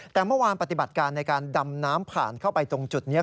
แต่เมื่อวานปฏิบัติการในการดำน้ำผ่านเข้าไปตรงจุดนี้